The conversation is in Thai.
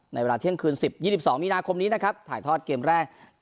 เวลาเที่ยงคืน๑๐๒๒มีนาคมนี้นะครับถ่ายทอดเกมแรก